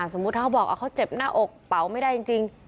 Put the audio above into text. สมมุติถ้าเขาบอกเขาเจ็บหน้าอกเป่าไม่ได้จริง